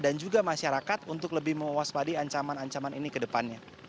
dan juga masyarakat untuk lebih mewaspadi ancaman ancaman ini ke depannya